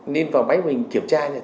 nên vào máy mình kiểm tra